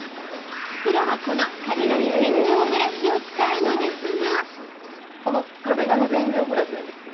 プロはこの壁紙洗浄ブラシを使うのですが。